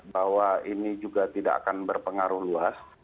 bahwa ini juga tidak akan berpengaruh luas